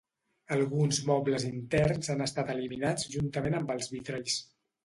Alguns mobles interns han estat eliminats juntament amb els vitralls.